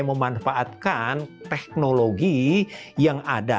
memanfaatkan teknologi yang ada